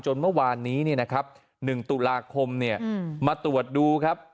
เมื่อวานนี้๑ตุลาคมมาตรวจดูครับ